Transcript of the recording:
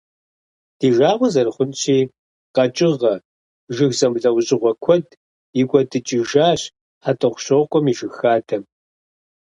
Ди жагъуэ зэрыхъунщи, къэкӀыгъэ, жыг зэмылӀэужьыгъуэ куэд икӀуэдыкӀыжащ ХьэтӀохъущокъуэм и жыг хадэм.